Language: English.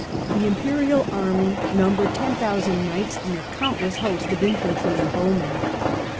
The Imperial army numbered ten thousand knights, and a countless host of infantry and bowmen.